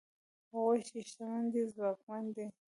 هغوی چې شتمن دي ځواکمن دي؛